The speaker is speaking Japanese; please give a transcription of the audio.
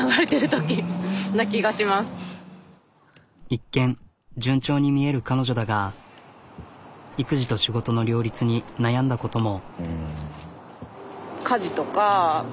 一見順調に見える彼女だが育児と仕事の両立に悩んだことも。